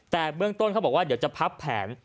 แต่เบื้องต้นเขาบอกว่าเดี๋ยวจะพับแผน